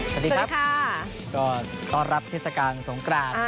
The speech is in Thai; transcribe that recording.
สวัสดีครับสวัสดีค่ะก็ต้อนรับเทศกรรมสงกราศ